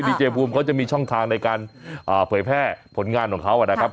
เจภูมิเขาจะมีช่องทางในการเผยแพร่ผลงานของเขานะครับ